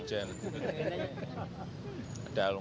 ada yang ulang tahun